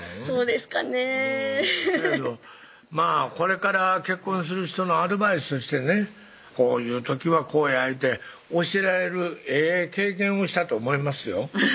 そうですかねせやけどこれから結婚する人のアドバイスとしてね「こういう時はこうや」いうて教えられるええ経験をしたと思いますよ